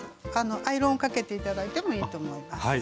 アイロンをかけて頂いてもいいと思います。